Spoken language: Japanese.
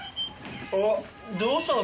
ああどうしたの？